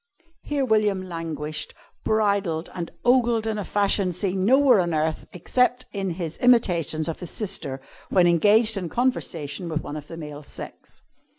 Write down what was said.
here William languished, bridled and ogled in a fashion seen nowhere on earth except in his imitations of his sister when engaged in conversation with one of the male sex.